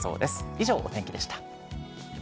以上、お天気でした。